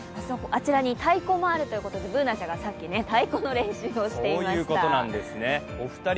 あちらに太鼓もあるということでＢｏｏｎａちゃんがさっき太鼓の練習をしていました。